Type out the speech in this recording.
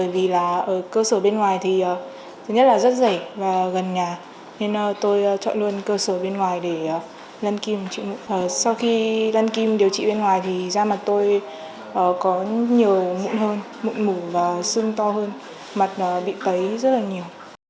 sau khi lan kim điều trị bên ngoài thì da mặt tôi có nhiều mụn hơn mụn mủ và xương to hơn mặt bị tấy rất là nhiều